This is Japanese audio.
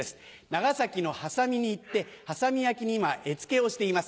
長崎の波佐見に行って波佐見焼に今絵付けをしています。